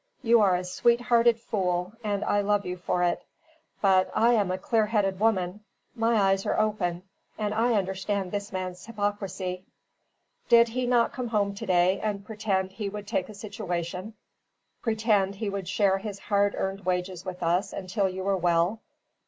"You are a sweet hearted fool, and I love you for it. But I am a clear headed woman; my eyes are open, and I understand this man's hypocrisy. Did he not come here to day and pretend he would take a situation pretend he would share his hard earned wages with us until you were well?